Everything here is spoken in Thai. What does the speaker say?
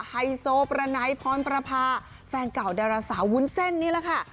ไฮโซประไนพรประพาแฟนเก่าดาราสาววุ้นเส้นนี่แหละค่ะ